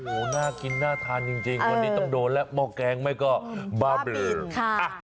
โอ้โหน่ากินน่าทานจริงวันนี้ต้องโดนแล้วหม้อแกงไม่ก็บาเบลอค่ะ